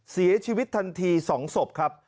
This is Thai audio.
เสียชีวิตทันที๒ศพครับ